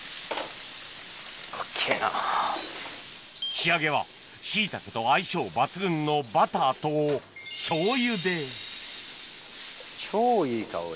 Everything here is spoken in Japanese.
仕上げは椎茸と相性抜群のバターとしょうゆで超いい香り。